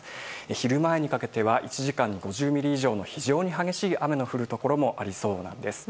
昼前にかけては１時間に５０ミリ以上の非常に激しい雨の降るところもありそうなんです。